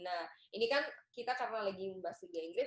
nah ini kan kita karena lagi membahas liga inggris